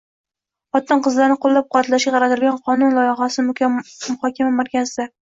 Xotin-qizlarni qo‘llab-quvvatlashga qaratilgan qonun loyihasi muhokama markazidang